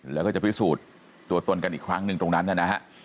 แล้วก็จะพิสูจน์ตัวตนกันอีกครั้งหนึ่งตรงนั้นนะฮะ